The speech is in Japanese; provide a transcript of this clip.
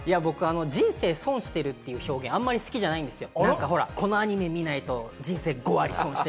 人生損してるって表現、僕、あんまり好きじゃないんですよ。